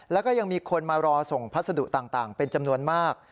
แล้วก็ยังมีคนมารอส่งพัสดุต่างเป็นจำนวนมาก